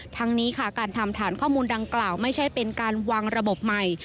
ทั้งนี้ค่ะการทำฐานข้อมูลดังกล่าวไม่ใช่เป็นการวางระบบใหม่